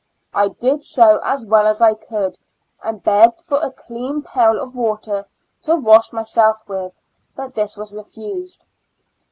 I did so as well as I could, and begged for a clean pail of water to wash myself with, but this was refused.